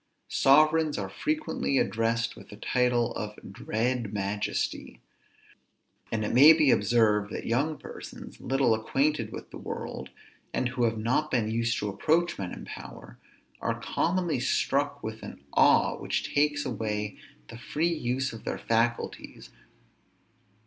Sovereigns are frequently addressed with the title of dread majesty. And it may be observed, that young persons, little acquainted with the world, and who have not been used to approach men in power, are commonly struck with an awe which takes away the free use of their faculties.